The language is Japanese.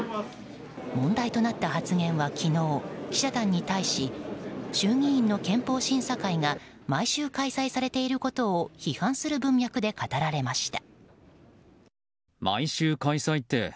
問題となった発言は昨日記者団に対し衆議院の憲法審査会が毎週開催されていることを批判する文脈で語られました。